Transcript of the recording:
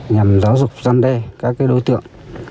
nhằm giáo dục văn đề các đối tượng